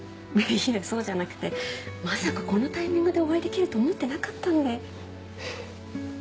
いえそうじゃなくてまさかこのタイミングでお会いできると思ってなかったんで。